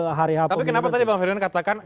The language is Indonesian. tapi kenapa tadi bang ferdinand katakan